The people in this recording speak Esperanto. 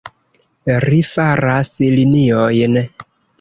Ri faras liniojn.